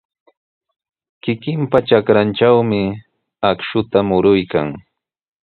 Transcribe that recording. Kikinpa trakrantrawmi akshuta muruykan.